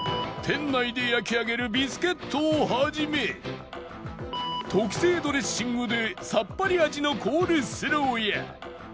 店内で焼き上げるビスケットを始め特製ドレッシングでさっぱり味のコールスローや